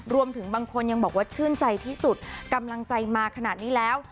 รวมถึงบางคนยังบอกว่าชื่นใจที่สุดกำลังใจมาขนาดนี้แล้ว